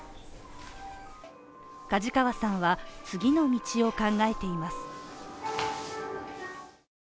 梶川さんは、次の道を考えています。